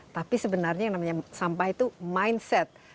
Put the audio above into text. tapi sebenarnya yang namanya sampah itu mindset